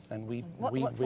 dan kami suka itu